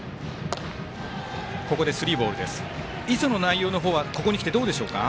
磯の内容は、ここにきてどうでしょうか？